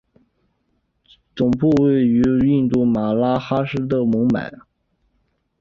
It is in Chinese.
总部位于印度马哈拉施特拉邦孟买。